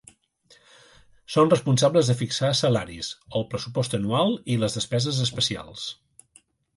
Són responsables de fixar salaris, el pressupost anual i les despeses especials.